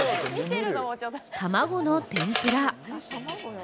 卵の天ぷら。